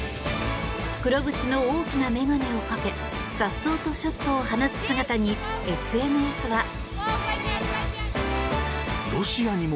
黒縁の大きなメガネをかけ颯爽とショットを放つ姿にＳＮＳは。